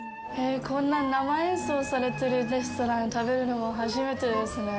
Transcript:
こんな生演奏されているレストランで食べるのは初めてですね。